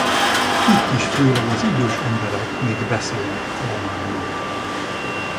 Itt is főleg az idős emberek még beszélnek alemannul.